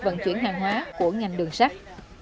vận chuyển hàng hóa của ngành đường sắt